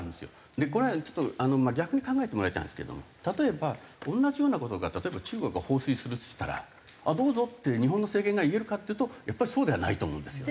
でこれちょっと逆に考えてもらいたいんですけども例えば同じような事が例えば中国が放水するっつったら「あっどうぞ」って日本の政権が言えるかというとやっぱりそうではないと思うんですよね。